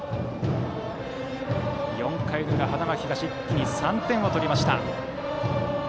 ４回の裏、花巻東一気に３点を取りました。